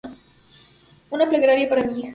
Una plegaria para mi hija